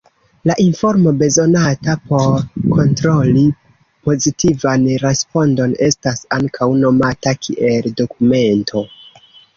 La informo bezonata por kontroli pozitivan respondon estas ankaŭ nomata kiel "dokumento".